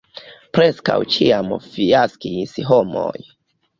Preskaŭ ĉiam fiaskis homoj.